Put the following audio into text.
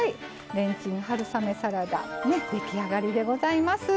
レンチン春雨サラダ出来上がりでございます。